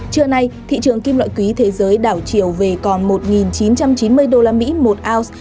trưa nay thị trường kim loại quý thế giới đảo chiều về còn một chín trăm chín mươi usd một ounce